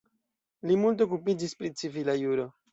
Li multe okupiĝis pri civila juro.